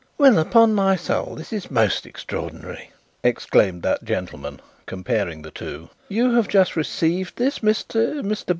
"Well, upon my soul this is most extraordinary," exclaimed that gentleman, comparing the two. "You have just received this, Mr. Mr.